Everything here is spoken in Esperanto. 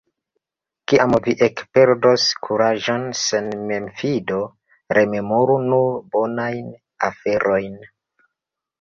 Kiam vi ekperdos kuraĝon sen memfido, rememoru nur bonajn aferojn.